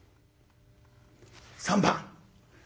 ３番？